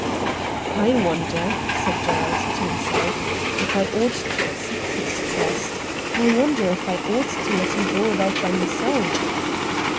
' I wonder,' said Gerald to himself, ' if I ought to accept this trust. I wonder if I ought to let him go about by himself.'